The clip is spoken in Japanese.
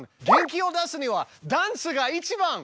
元気を出すにはダンスが一番！